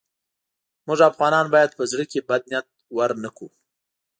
موږ افغانان باید په زړه کې بد نیت ورنه کړو.